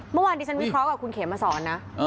เมื่อวานนี้ฉันวิเคราะห์กับคุณเขมมาสอนนะ